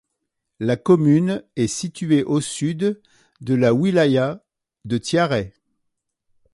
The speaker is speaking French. La commune est située au Sud de la wilaya de Tiaret.